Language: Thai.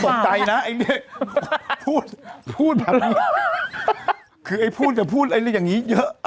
สบใจน่ะไอ้พูดพูดแบบนี้คือไอ้พูดจะพูนไอนี่อย่างงี้เยอะ